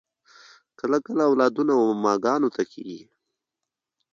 کله کله اولادونه و ماماګانو ته کیږي